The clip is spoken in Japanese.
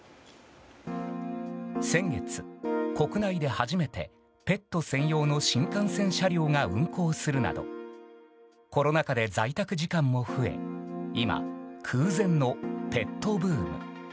先月、国内で初めてペット専用の新幹線車両が運行するなどコロナ禍で在宅時間も増え今、空前のペットブーム。